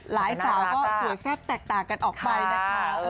สาวก็สวยแซ่บแตกต่างกันออกไปนะคะ